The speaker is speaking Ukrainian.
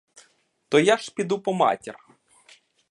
То я ж піду по матір.